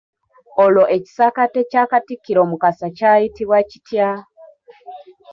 Olwo ekisaakaate kya Katikkiro Mukasa kyayitibwa kitya?